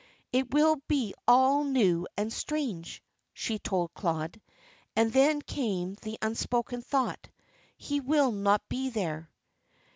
"It will be all new and strange," she told Claude, and then came the unspoken thought. "He will not be there."